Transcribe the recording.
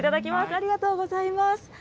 ありがとうございます。